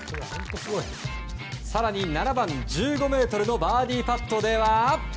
更に７番、１５ｍのバーディーパットでは。